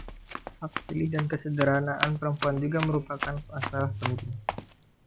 Hak pilih dan kesederhanaan perempuan juga merupakan masalah penting.